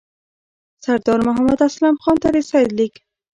سردار محمد اسلم خان ته د سید لیک.